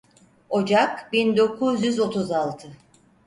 Ocak bin dokuz yüz otuz altı.